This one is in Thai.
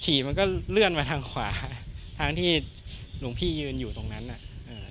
มันก็เลื่อนมาทางขวาทางที่หลวงพี่ยืนอยู่ตรงนั้นอ่ะเอ่อ